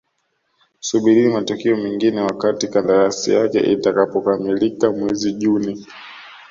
Subirini matukio mengine wakati kandarasi yake itakapokamilika mwezi Juni